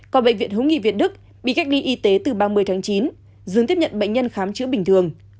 còn bệnh viện hữu nghị việt đức bị cách ly y tế từ ba mươi tháng chín dương tiếp nhận bệnh nhân khám chữa bình thường